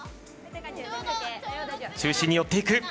中心に寄っていく。